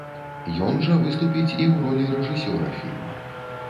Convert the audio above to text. Ён жа выступіць і ў ролі рэжысёра фільма.